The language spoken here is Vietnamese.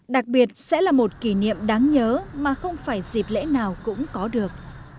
đặc biệt sẽ là một kỷ niệm đáng nhớ mà không phải dịp lễ nào cũng có được